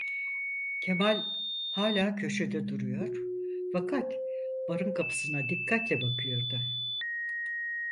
Kemal hala köşede duruyor, fakat barın kapısına dikkatle bakıyordu.